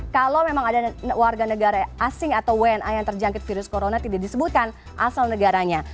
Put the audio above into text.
kalau memang ada warga negara asing atau wna yang terjangkit virus corona tidak disebutkan asal negaranya